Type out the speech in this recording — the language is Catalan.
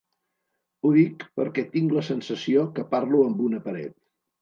Ho dic perquè tinc la sensació que parlo amb una paret.